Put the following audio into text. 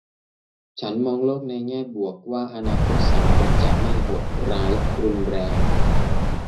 ฉันมองโลกในแง่บวกว่าอนาคตสังคมจะไม่โหดร้ายรุนแรง